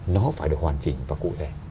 nó phải được hoàn chỉnh và cụ thể